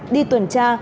đi tuần tra